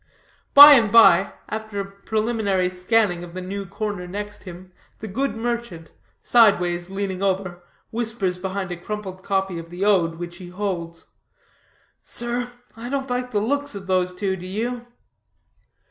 By and by, after a preliminary scanning of the new comer next him the good merchant, sideways leaning over, whispers behind a crumpled copy of the Ode which he holds: "Sir, I don't like the looks of those two, do you?"